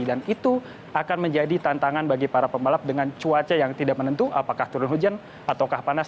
dan itu akan menjadi tantangan bagi para pembalap dengan cuaca yang tidak menentu apakah turun hujan ataukah panas